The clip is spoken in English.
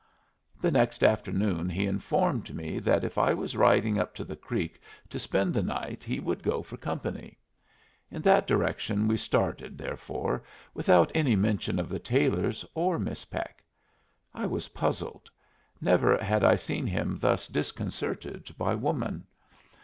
The next afternoon he informed me that if I was riding up the creek to spend the night he would go for company. In that direction we started, therefore, without any mention of the Taylors or Miss Peck. I was puzzled. Never had I seen him thus disconcerted by woman.